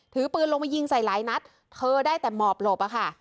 ถือปืนลงมายิงใส่หลายนัดเธอได้แต่หมอบหลบอะค่ะ